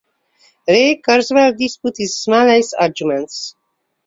Ray Kurzweil disputes Smalley's arguments.